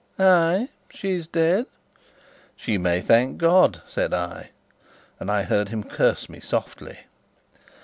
"Ay, she's dead." "She may thank God," said I, and I heard him curse me softly.